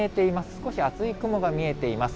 少し厚い雲が見えています。